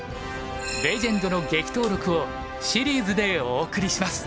レジェンドの激闘録をシリーズでお送りします。